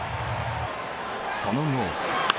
その後。